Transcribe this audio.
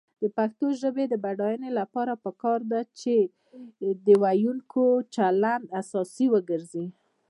د پښتو ژبې د بډاینې لپاره پکار ده چې ویونکو چلند اساس وګرځي.